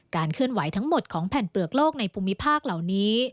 เคลื่อนไหวทั้งหมดของแผ่นเปลือกโลกในภูมิภาคเหล่านี้